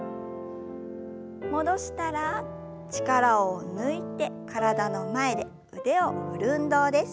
戻したら力を抜いて体の前で腕を振る運動です。